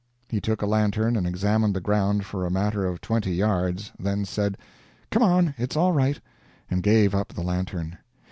He took a lantern and examined the ground for a matter of twenty yards; then said, "Come on; it's all right," and gave up the lantern.